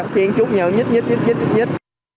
thì em chúc nhớ nhít nhít nhít nhít nhít